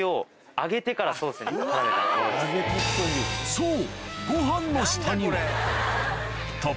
そう